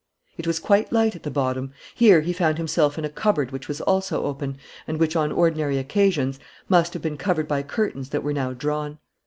It was quite light at the bottom. Here he found himself in a cupboard which was also open and which, on ordinary occasions, must have been covered by curtains that were now drawn.